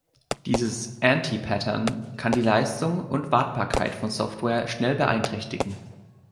Dieses Anti-Pattern kann die Leistung und Wartbarkeit von Software schnell beeinträchtigen.